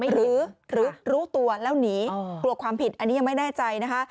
หรือรู้ตัวแล้วหนีกลัวความผิดอันนี้ยังไม่แน่ใจนะคะ